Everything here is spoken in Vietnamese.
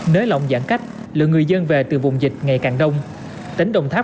nới lỏng giãn cách lượng người dân về từ vùng dịch ngày càng đông tỉnh đồng tháp